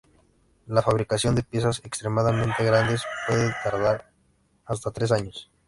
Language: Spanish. La fabricación de piezas extremadamente grandes puede tardar hasta tres años.